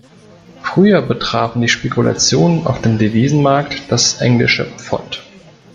Früher betrafen die Spekulationen auf dem Devisenmarkt das englische Pfund.